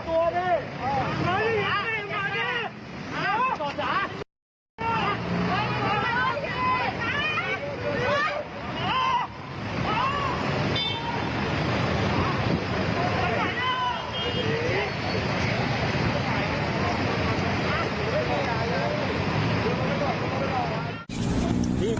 โปรโลเฟน